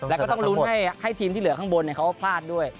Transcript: แล้วก็ต้องลุ้นให้ทีมที่เหลือข้างบนเขาพลาดด้วย